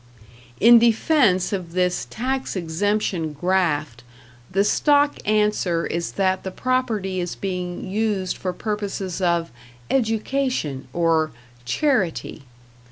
In defense of this tax exemption graft, the stock answer is that the property is being used for purposes of "education" or "charity".